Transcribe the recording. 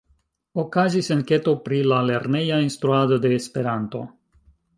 Okazis enketo pri la lerneja instruado de Esperanto.